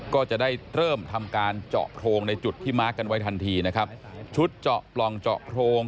ก็จะได้เริ่มทำการเจาะโพรงในจุดที่มาร์คกันไว้ทันทีนะครับชุดเจาะปล่องเจาะโพรง